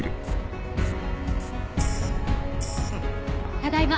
ただいま。